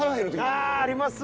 ああありますわ！